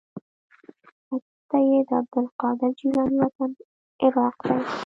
ختیځ ته یې د عبدالقادر جیلاني وطن عراق دی.